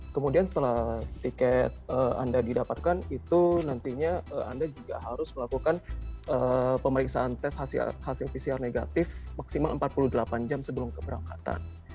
kemudian setelah tiket anda didapatkan itu nantinya anda juga harus melakukan pemeriksaan tes hasil pcr negatif maksimal empat puluh delapan jam sebelum keberangkatan